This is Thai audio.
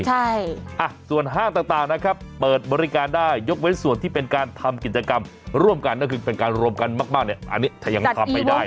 ใช่อ่ะส่วนห้างต่างนะครับเปิดบริการได้ยกเว้นส่วนที่เป็นการทำกิจกรรมร่วมกันก็คือเป็นการรวมกันมากเนี่ยอันนี้ถ้ายังทำไม่ได้